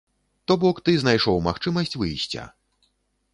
То бок ты знайшоў магчымасць выйсця.